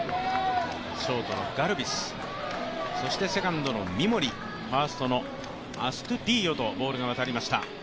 ショートのガルビスそしてセカンドの三森ファーストのアストゥディーヨとボールが渡りました。